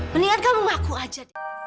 mendingan kamu ngaku aja